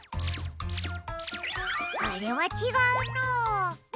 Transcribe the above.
あれはちがうな。